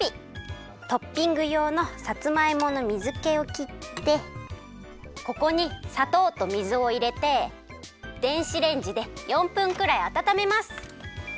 トッピングようのさつまいもの水けをきってここにさとうと水をいれて電子レンジで４分くらいあたためます。